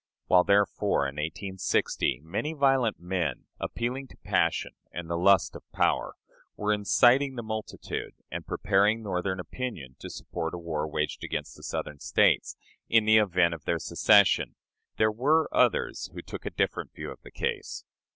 While, therefore, in 1860, many violent men, appealing to passion and the lust of power, were inciting the multitude, and preparing Northern opinion to support a war waged against the Southern States in the event of their secession, there were others who took a different view of the case.